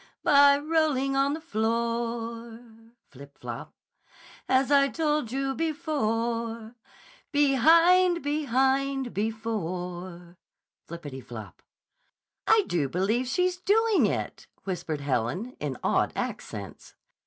By rolling on the floor, (Flip! Flop!) As I told you before, Behind! Behind! Before!" (Floppity flop!) "I do believe she's doing it," whispered Helen in awed accents.